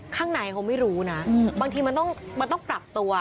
ข้างในเขาไม่รู้นะบางทีมันต้องปรับตัว